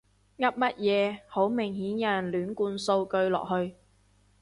噏乜嘢，好明顯有人亂灌數據落去